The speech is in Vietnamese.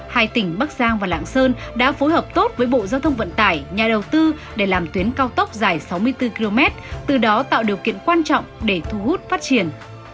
hai tỉnh bắc giang và lạng sơn đã phối hợp tốt với bộ giao thông vận tải nhà đầu tư để làm tuyến cao tốc dài sáu mươi bốn km từ đó tạo điều kiện quan trọng để thu hút phát triển